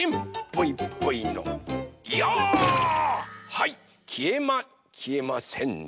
はいきえまきえませんね。